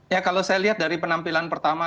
ya kalau saya lihat dari penampilan pertama